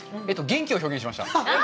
元気を表現しました。